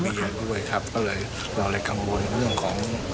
เหมือนกับเด็กด้านหน้าแต่จนก่อนเลยเราเลยกังวลเรื่องของ